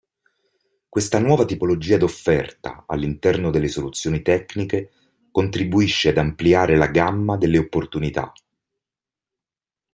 Questa nuova tipologia d'offerta all'interno delle soluzioni tecniche contribuisce ad ampliare la gamma delle opportunità.